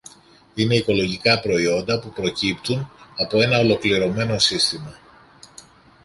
Είναι οικολογικά προϊόντα που προκύπτουν από ένα ολοκληρωμένο σύστημα